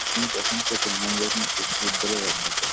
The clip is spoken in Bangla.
তিনি তখন কোপেনহেগেন বিশ্ববিদ্যালয়ের অধ্যাপক।